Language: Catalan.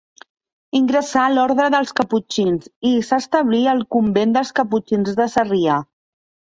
Ingressà a l’orde dels caputxins i s'establí al convent dels caputxins de Sarrià.